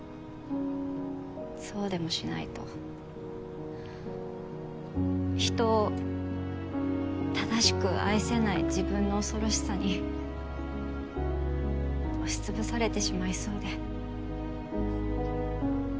そうでもしないと人を正しく愛せない自分の恐ろしさに押し潰されてしまいそうで。